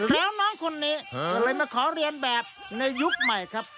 แล้วน้องคนนี้ก็เลยมาขอเรียนแบบในยุคใหม่ครับ